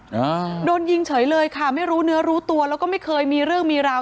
อ่าโดนยิงเฉยเลยค่ะไม่รู้เนื้อรู้ตัวแล้วก็ไม่เคยมีเรื่องมีราว